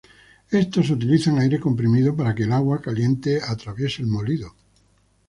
Estos utilizan aire comprimido para que el agua caliente atraviese el molido.